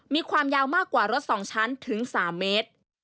มีความยาวมากกว่ารถ๒ชั้นถึง๓เมตร